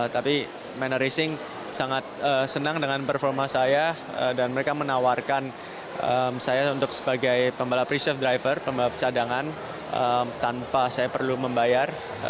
tapi manor racing sangat senang dengan performa saya dan mereka menawarkan saya untuk sebagai pembalap reserve driver pembalap cadangan tanpa saya perlu membayar